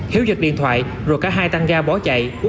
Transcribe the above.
hiếu giật điện thoại rồi cả hai tăng ga bỏ chạy